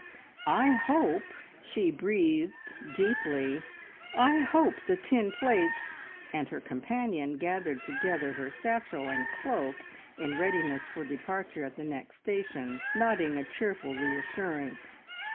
"I hope " she breathed deeply "I hope the tin plates " and her companion gathered together her satchel and cloak in readiness for departure at the next station, nodding a cheerful reassurance.